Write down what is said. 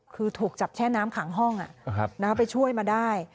คือถูกจับแช่น้ำขังห้องไปช่วยมาได้